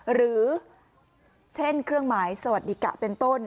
หรือเช่นเครื่องหมายสวัสดีกะเป็นต้น